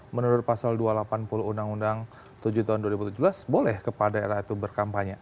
menurut pasal dua ratus delapan puluh undang undang tujuh tahun dua ribu tujuh belas boleh kepala daerah itu berkampanye